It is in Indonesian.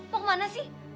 mau kemana sih